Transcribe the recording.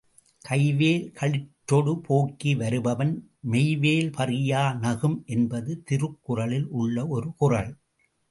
கைவேல் களிற்றொடு போக்கி வருபவன் மெய்வேல் பறியா நகும் என்பது திருக்குறளில் உள்ள ஒரு குறள்.